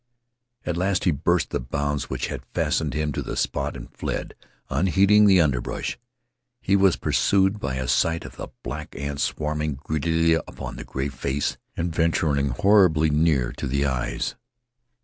At last he burst the bonds which had fastened him to the spot and fled, unheeding the underbrush. He was pursued by a sight of the black ants swarming greedily upon the gray face and venturing horribly near to the eyes.